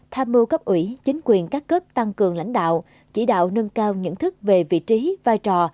tham mưu cấp ủy chính quyền các cấp tăng cường lãnh đạo chỉ đạo nâng cao nhận thức về vị trí vai trò